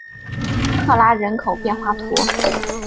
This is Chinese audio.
克拉雷人口变化图示